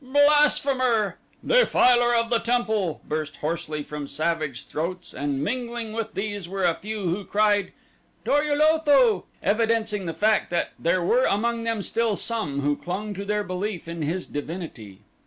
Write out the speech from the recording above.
"Blasphemer!" "Defiler of the temple!" burst hoarsely from savage throats, and mingling with these were a few who cried, "Dor ul Otho!" evidencing the fact that there were among them still some who clung to their belief in his divinity.